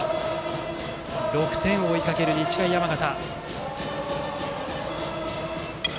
６点を追いかける日大山形。